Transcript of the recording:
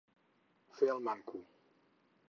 Fer el manco.